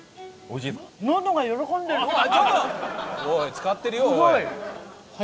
おい使ってるよおい。